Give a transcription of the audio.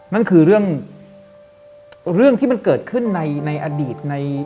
นั่นคือเรื่องที่มันเกิดขึ้นในอดีตใน